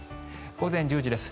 午前１０時です。